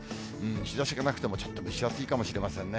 日ざしがなくても、ちょっと蒸し暑いかもしれませんね。